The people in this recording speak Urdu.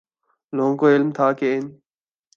لوگوں کو علم تھا کہ ان